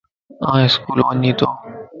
آن اسڪول وڃين تو